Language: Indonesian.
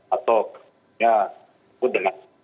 atau ya ikut dengan topik